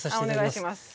お願いします。